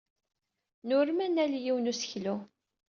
Nurem ad nali yiwen n useklu.